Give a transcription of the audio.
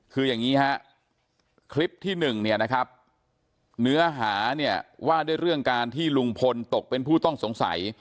คลิปที่๑เนื้อหาว่าด้วยเรื่องการที่ลุงพลตกเป็นผู้ต้องสงสัย